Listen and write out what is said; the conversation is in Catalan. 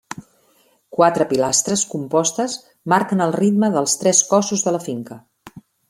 Quatre pilastres compostes marquen el ritme dels tres cossos de la finca.